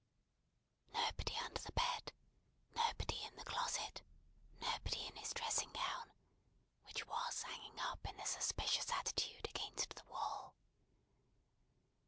Nobody under the bed; nobody in the closet; nobody in his dressing gown, which was hanging up in a suspicious attitude against the wall.